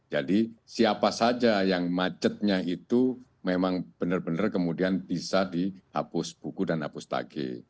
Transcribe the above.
siapa saja yang macetnya itu memang benar benar kemudian bisa dihapus buku dan hapus tagih